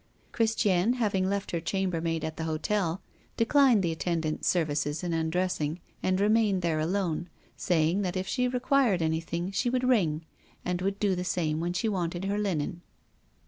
Christiane, having left her chambermaid at the hotel, declined the attendant's services in undressing, and remained there alone, saying that if she required anything, she would ring, and would do the same when she wanted her linen.